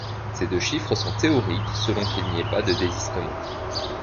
Ce deux chiffres sont théoriques selon qu'il n'y ait pas de désistement.